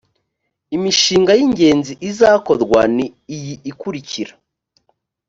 imishinga y ingenzi izakorwa ni iyi ikurikira